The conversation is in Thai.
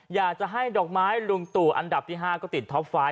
อยากจะให้ดอกไม้ลุงตู่อันดับที่๕ก็ติดท็อปไฟต์